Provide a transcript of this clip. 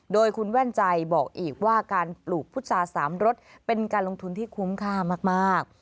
โดยคุณแว่นใจบอกอีกว่าการปลูกพุษาสามรสเป็นการลงทุนที่คุ้มค่ามาก